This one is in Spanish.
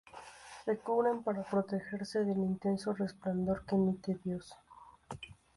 Se cubren para protegerse del intenso resplandor que emite Dios.